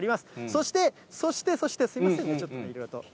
そして、そしてそしてすみません、ちょっと、いろいろと。